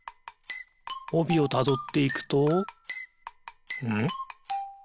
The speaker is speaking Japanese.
おびをたどっていくとんっ？